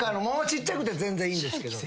ちっちゃくて全然いいんですけど。